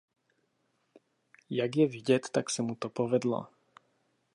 Jak je vidět tak se mu to povedlo.